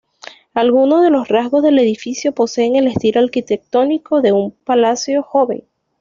Algunos de los rasgos del edificio poseen el estilo arquitectónico de un Palacios joven.